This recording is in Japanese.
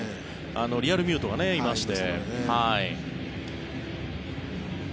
リアルミュートがいまして。